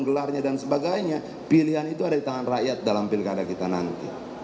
gelarnya dan sebagainya pilihan itu ada di tangan rakyat dalam pilkada kita nanti